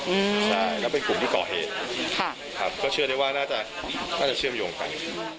อืมใช่แล้วเป็นกลุ่มที่ก่อเหตุค่ะครับก็เชื่อได้ว่าน่าจะน่าจะเชื่อมโยงไป